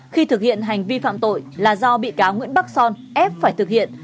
khi thực hiện hành vi phạm tội là do bị cáo nguyễn bắc son ép phải thực hiện